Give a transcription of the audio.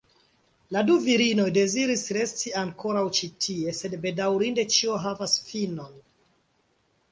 La du virinoj deziris resti ankoraŭ ĉi tie, sed bedaŭrinde ĉio havas finon.